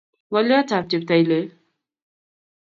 Ng'olyot ab cheptalel